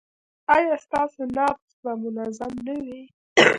ایا ستاسو نبض به منظم نه وي؟